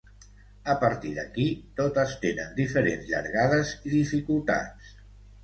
A partir d’aquí totes tenen diferents llargades i dificultats.